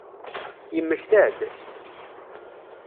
Yemmekta-d?